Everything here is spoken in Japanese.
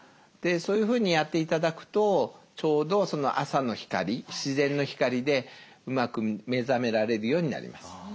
そういうふうにやって頂くとちょうど朝の光自然の光でうまく目覚められるようになります。